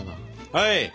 はい！